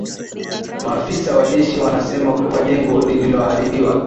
maafisa wa jeshi wamesema kuwa jengo lililoharibiwa